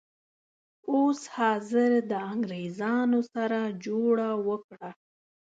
اوس حاضر د انګریزانو سره جوړه وکړه.